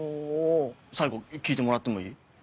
最後聴いてもらってもいい？